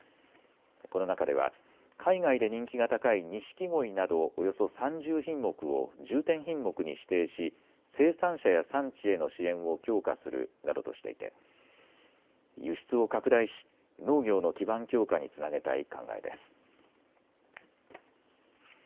この中では海外で人気が高いにしきごいなどおよそ３０品目を重点品目に指定し生産者や産地への支援を強化するなどとしていて輸出を拡大し農業の基盤強化につなげたい考えです。